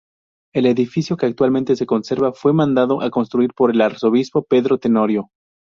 El edificio que actualmente se conserva fue mandado construir por el arzobispo Pedro Tenorio.